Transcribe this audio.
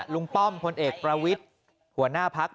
ลุงป้อมคลนเอกประวิศหัวหน้าภักร์